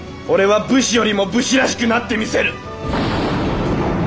俺は武士よりも武士らしくなってみせる！